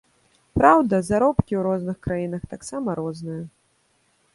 Праўда, заробкі у розных краінах таксама розныя.